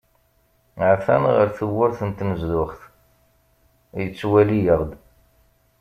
Ha-t-an ɣer tewwurt n tnezduɣt, yettwali-aɣ-d.